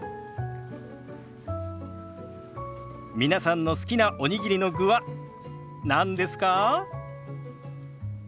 皆さんの好きなおにぎりの具は何ですか？